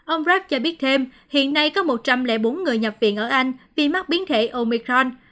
ông rap cho biết thêm hiện nay có một trăm linh bốn người nhập viện ở anh vì mắc biến thể omicron